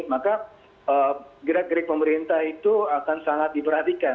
maka gerak gerik pemerintah itu akan sangat diperhatikan